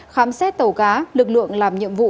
khám xét tàu cá lực lượng làm nhiệm vụ